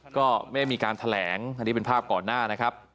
ก็ไม่มีการแถลงอันนี้เป็นภาพก่อนหน้านะครับ